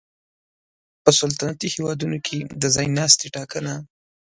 په سلطنتي هېوادونو کې د ځای ناستي ټاکنه